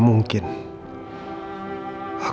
sekali lagi ya pak